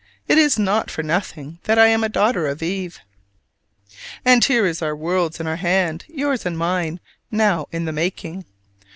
It is not for nothing that I am a daughter of Eve. And here is our world in our hands, yours and mine, now in the making.